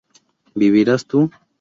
¿vivirás tú?